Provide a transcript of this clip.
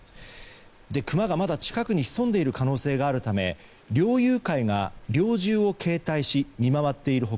クマがまだ近くに潜んでいる可能性があるため猟友会が猟銃を携帯し見回っている他